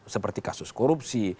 seperti kasus korupsi